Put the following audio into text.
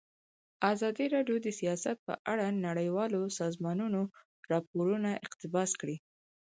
ازادي راډیو د سیاست په اړه د نړیوالو سازمانونو راپورونه اقتباس کړي.